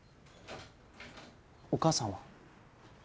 お母さんは？